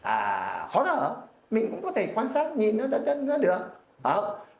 à khó nở mình cũng có thể quan sát nhìn nó đất đất nó được